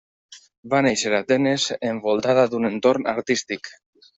Va néixer a Atenes envoltada d'un entorn artístic.